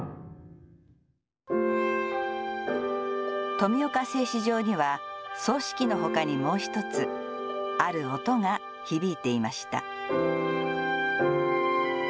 富岡製糸場には繰糸機のほかにもう１つ、ある音が響いていました。